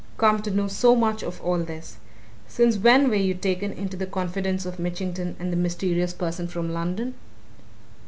come to know so much of all this? Since when were you taken into the confidence of Mitchington and the mysterious person from London?"